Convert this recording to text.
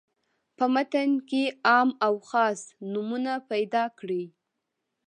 په متن کې عام او خاص نومونه پیداکړي.